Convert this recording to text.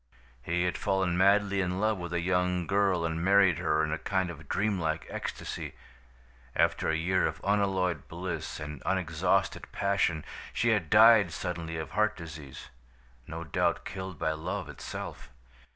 He had fallen madly in love with a young girl and married her in a kind of dreamlike ecstasy. After a year of unalloyed bliss and unexhausted passion, she had died suddenly of heart disease, no doubt killed by love itself.